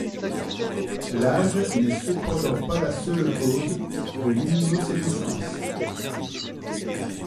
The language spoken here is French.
L'âge n'est cependant pas la seule cause de l'immunosénescence.